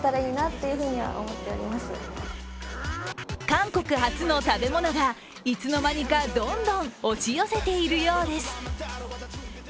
韓国発の食べ物がいつの間にかどんどん押し寄せているようです。